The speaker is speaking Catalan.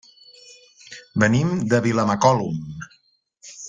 Venim de Vilamacolum.